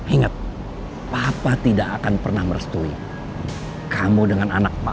ingat papa tidak akan pernah merestui kamu dengan anak bapak